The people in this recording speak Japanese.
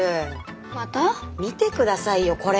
見て下さいよこれ！